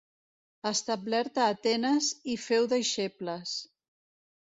Establert a Atenes hi féu deixebles.